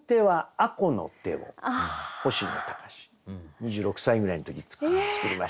２６歳ぐらいの時に作りましたね。